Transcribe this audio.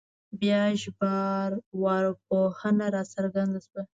بیا ژبارواپوهنه راڅرګنده شوه